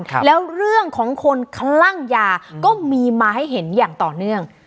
ครับแล้วเรื่องของคนคลั่งยาก็มีมาให้เห็นอย่างต่อเนื่อง